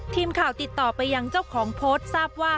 ทีมข่าวติดต่อไปยังเจ้าของโพสต์ทราบว่า